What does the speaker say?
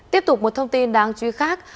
tiếp tục một thông tin đáng truy khác